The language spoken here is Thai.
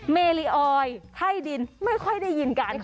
เมลีออยไข้ดินไม่ค่อยได้ยินกันค่ะ